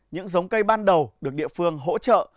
những giống cây ban đầu được địa phương hỗ trợ